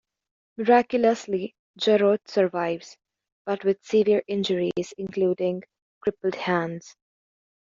Miraculously, Jarrod survives, but with severe injuries including crippled hands.